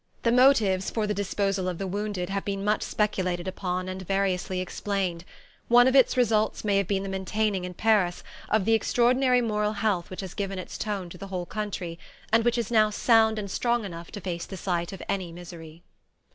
The motives for the disposal of the wounded have been much speculated upon and variously explained: one of its results may have been the maintaining in Paris of the extraordinary moral health which has given its tone to the whole country, and which is now sound and strong enough to face the sight of any misery.